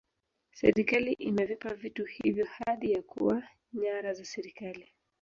serikali imevipa vitu hivyo hadhi ya kuwa nyara za serikali